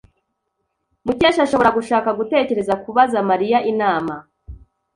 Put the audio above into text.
Mukesha ashobora gushaka gutekereza kubaza Mariya inama.